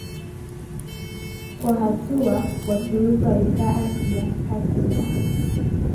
kwa hatua Waturuki walikaa Asia ya Kati na